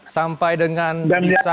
sampai dengan bisa